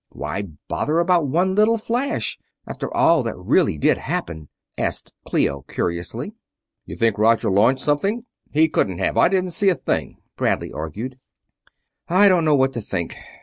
"Why bother about one little flash, after all that really did happen?" asked Clio, curiously. "You think Roger launched something? He couldn't have I didn't see a thing," Bradley argued. "I don't know what to think.